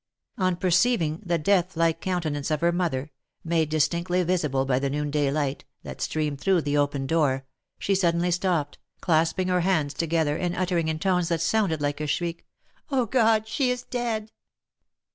On perceiving the deathlike countenance of her mother, made dis tinctly visible by the noonday light, that streamed through the open door, she suddenly stopped, clasping her hands together, and uttering in tones that sounded like a shriek —" Oh ! God, she is dead